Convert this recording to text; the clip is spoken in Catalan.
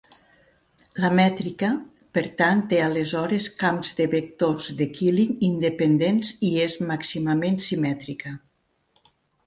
La mètrica, per tant té aleshores camps de vectors de Killing independents i és màximament simètrica.